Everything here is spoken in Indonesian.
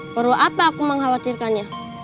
perlu apa aku mengkhawatirkannya